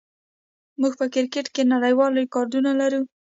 موږ په کرکټ کې نړیوال ریکارډونه لرو.